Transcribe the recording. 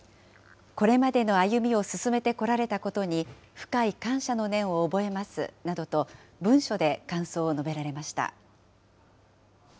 これまでの歩みを進めてこられたことに、深い感謝の念を覚えますなどと、文書で感想を述べられました。